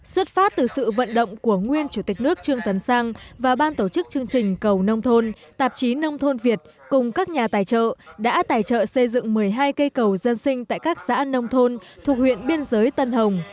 xuất phát từ sự vận động của nguyên chủ tịch nước trương tấn sang và ban tổ chức chương trình cầu nông thôn tạp chí nông thôn việt cùng các nhà tài trợ đã tài trợ xây dựng một mươi hai cây cầu dân sinh tại các xã nông thôn thuộc huyện biên giới tân hồng